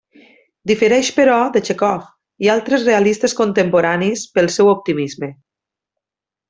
Difereix, però, de Txékhov i altres realistes contemporanis pel seu optimisme.